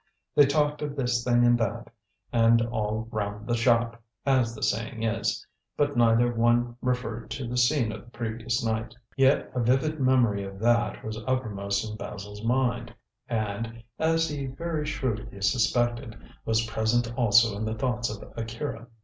They talked of this thing and that, and all round the shop as the saying is but neither one referred to the scene of the previous night. Yet a vivid memory of that was uppermost in Basil's mind, and as he very shrewdly suspected was present also in the thoughts of Akira.